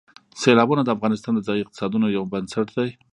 سیلابونه د افغانستان د ځایي اقتصادونو یو بنسټ دی.